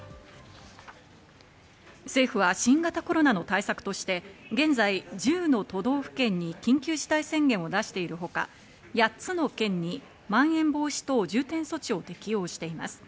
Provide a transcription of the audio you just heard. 政府は新型コロナの対策として現在１０の都道府県に緊急事態宣言を出しているほか、８つの県にまん延防止等重点措置を適用しています。